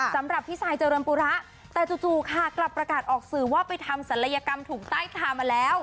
สำหรับพี่ซายเจริญปุระแต่จู่ค่ะกลับประกาศออกสื่อว่าไปทำศัลยกรรมถูกใต้ทามาแล้ว